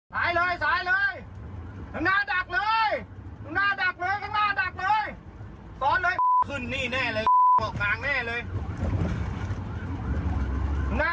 ต้นเอา